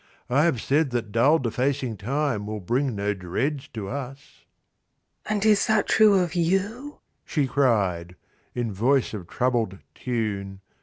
I have said that dull defacing Time Will bring no dreads to us." "And is that true of you?" she cried In voice of troubled tune.